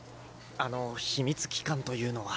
あの秘密機関というのは？